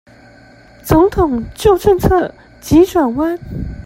總統就政策急轉彎